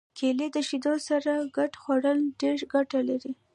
کېله د شیدو سره ګډه خوړل ډېره ګټه لري.